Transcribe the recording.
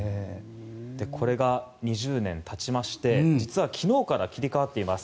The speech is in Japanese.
これが２０年たちまして昨日から切り替わっています。